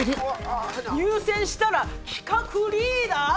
入選したら企画リーダー！？